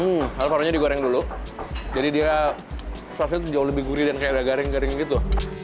n zasuk digoreng dulu jadi diaails beri roda garing jaring gitu